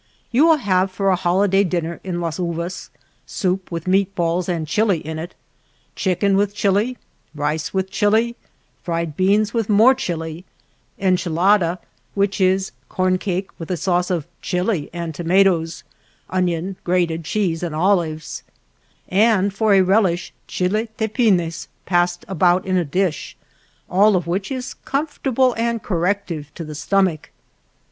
You will have for a holiday dinner, in Las Uvas, soup with meat balls and chile in it, chicken with chile, rice with chile, fried beans with more chile, enchilada, which is corn cake with a sauce of chile and to matoes, onion, grated cheese, and olives, and for a relish chile tepines passed about in a dish, all of which is comfortable and corrective to the stomach.